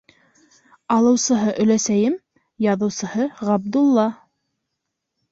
Алыусыһы өләсәйем, яҙыусыһы Ғабдулла.